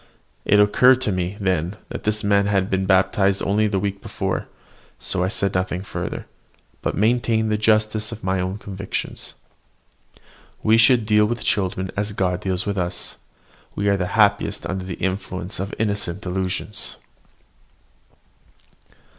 It occurred to me then, that this very man had been baptised only a week before; so I said nothing further, but maintained the justice of my own convictions. We should deal with children as God deals with us, we are happiest under the influence of innocent delusions.